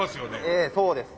ええそうです。